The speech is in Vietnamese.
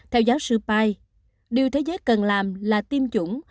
theo giáo sư pai điều thế giới cần làm là tiêm chủng